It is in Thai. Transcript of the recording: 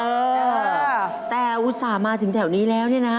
เออแต่อุตส่าห์มาถึงแถวนี้แล้วเนี่ยนะ